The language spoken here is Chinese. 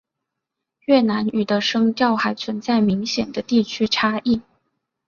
越南语的声调还存在明显的地区差异。